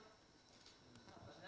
pasalnya tersangka tapi masih bisa